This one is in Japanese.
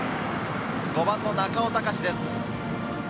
５番・中尾誉です。